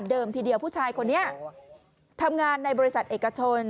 ทีเดียวผู้ชายคนนี้ทำงานในบริษัทเอกชน